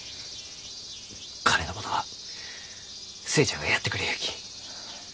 金のことは寿恵ちゃんがやってくれゆうき。